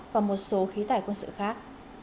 và một số khí tài quân sự khác